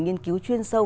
nghiên cứu chuyên sâu